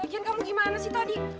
bikin kamu gimana sih tadi